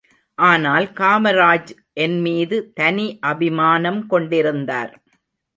ஆனால் காமராஜ் என்மீது தனி அபிமானம் கொண்டிருந்தார்.